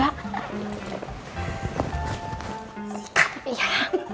dadah makasih ya